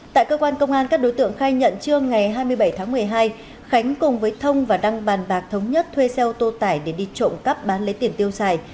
tại cơ quan công an các đối tượng khai nhận trương ngày hai mươi bảy tháng một mươi hai khánh cùng với thông và đăng bàn bạc thống nhất thuê xe ô tô tải để đi trộm cắp bán lấy tiền tiêu xài